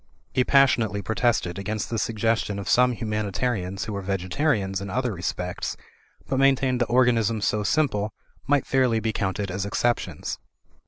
He passionately protested against the suggestion of some humanitarians who were vegetarians in other respects, but maintained that organisms so simple might fairly be counted as exceptions.